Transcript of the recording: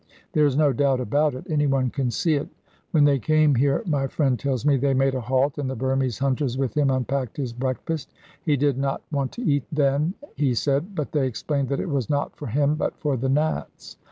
There is no doubt about it; anyone can see it. When they came here, my friend tells me, they made a halt, and the Burmese hunters with him unpacked his breakfast. He did not want to eat then, he said, but they explained that it was not for him, but for the Nats.